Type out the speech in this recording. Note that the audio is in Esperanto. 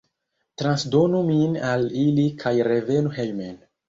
Transdonu min al ili kaj revenu hejmen.